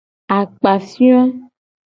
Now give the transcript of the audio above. Akpafiono a.